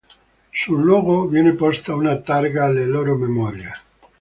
Sul luogo viene posta una targa alla loro memoria.